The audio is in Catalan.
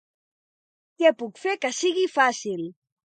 Què puc fer que sigui fàcil.